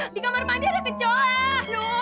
di kamar mandi ada kecoan